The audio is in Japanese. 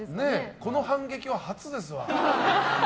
この反撃は初ですわ。